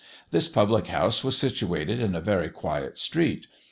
This public house was situated in a very quiet street.